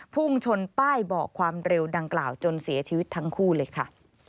พุ่งชนป้ายบอกความเร็วดังกล่าวจนเสียชีวิตทั้งคู่เลยค่ะ